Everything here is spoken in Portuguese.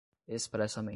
expressamente